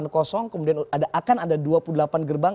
kemudian akan ada dua puluh delapan gerbang